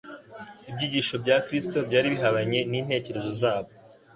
Ibyigisho bya Kristo byari bihabanye n'intekerezo zabo.